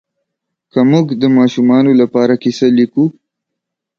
که موږ د ماشومانو لپاره کیسه لیکو